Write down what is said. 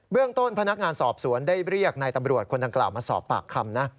เรื่องต้นพนักงานสอบสวนได้เรียกนายตำรวจคนดังกล่าวมาสอบปากคำนะ